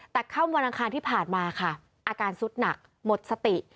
แต่เข้าวนครที่ผ่านมาอาการซุดหนักหมดสติ